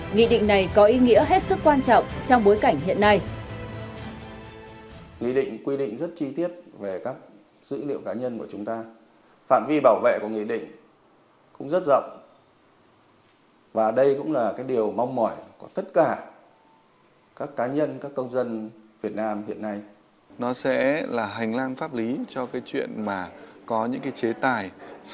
nghị định này có ý nghĩa hết sức quan trọng trong bối cảnh hiện nay